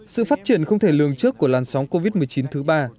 sự phát triển không thể lường trước của làn sóng covid một mươi chín thứ ba